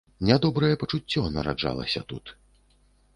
Нядобрае пачуццё нараджалася тут.